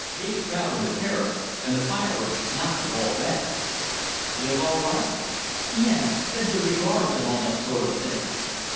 "Big crowd on the Terrace, and the fireworks not at all bad." "Lil all right?" "Yes. Sends her regards, and all that sort of thing.